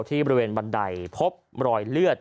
ที่บริเวณบันไดพบรอยเลือด